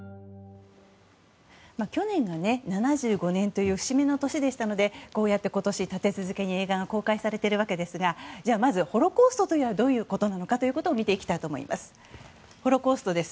去年が７５年という節目の年でしたのでこうやって今年、立て続けに映画が公開されているわけですがじゃあ、まずホロコーストはどういうことなのか見ていきたいと思います。